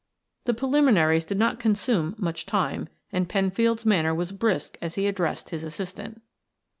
The preliminaries did not consume much time, and Penfield's manner was brisk as he addressed his assistant.